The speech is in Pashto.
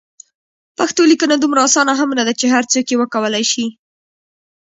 پښتو لیکنه دومره اسانه هم نده چې هر څوک یې وکولای شي.